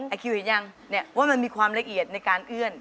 คิวเห็นยังว่ามันมีความละเอียดในการเอื้อน